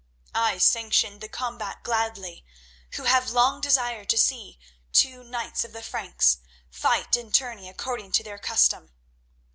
I sanction the combat gladly, who have long desired to see two knights of the Franks fight in tourney according to their custom.